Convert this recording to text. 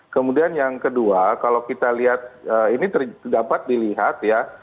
kemudian yang kedua kalau kita lihat ini dapat dilihat ya